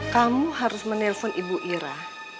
kamu harus menelpon ibu ira